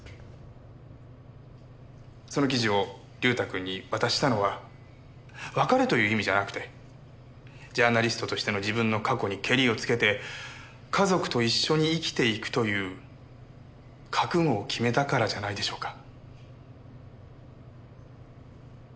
その記事を隆太君に渡したのは別れという意味じゃなくてジャーナリストとしての自分の過去にけりをつけて家族と一緒に生きていくという覚悟を決めたからじゃないでしょうか。